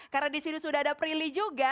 karena disini sudah ada prilly juga